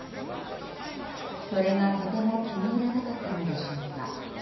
それがとても気に入らなかったのでしょうか。